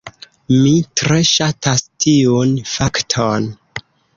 Mi tre ŝatas tiun fakton.